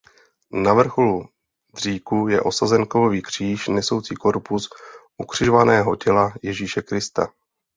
Na vrcholu dříku je osazen kovový kříž nesoucí korpus ukřižovaného těla Ježíše Krista.